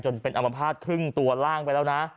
จนเป็นอัมพาตครึ่งตัวล่างไปแล้วนะ